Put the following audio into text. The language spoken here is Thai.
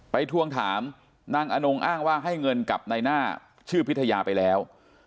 ทวงถามนางอนงอ้างว่าให้เงินกับนายหน้าชื่อพิทยาไปแล้ว